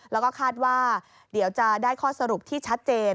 แล้วก็คาดว่าเดี๋ยวจะได้ข้อสรุปที่ชัดเจน